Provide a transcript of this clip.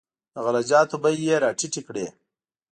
د غله جاتو بیې یې راټیټې کړې.